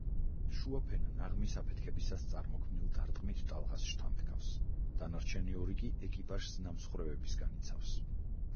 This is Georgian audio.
შუა ფენა ნაღმის აფეთქებისას წარმოქმნილ დარტყმით ტალღას შთანთქავს, დანარჩენი ორი კი ეკიპაჟს ნამსხვრევებისგან იცავს.